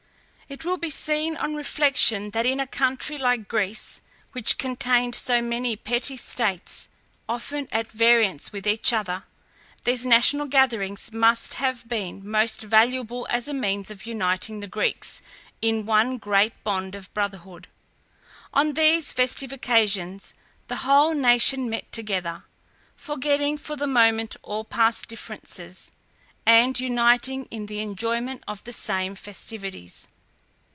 It will be seen on reflection that in a country like Greece, which contained so many petty states, often at variance with each other, these national gatherings must have been most valuable as a means of uniting the Greeks in one great bond of brotherhood. On these festive occasions the whole nation met together, forgetting for the moment all past differences, and uniting in the enjoyment of the same festivities.